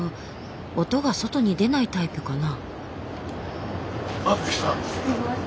音が外に出ないタイプかな？